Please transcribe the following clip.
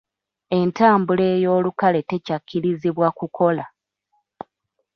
Entambula ey'olukale tekyakkirizibwa kukola.